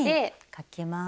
かけます。